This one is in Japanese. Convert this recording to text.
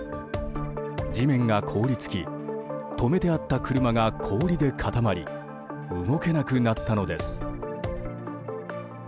地面が凍り付き止めてあった車が氷で固まり動けなくなったのです。